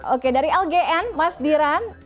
oke dari lgn mas diram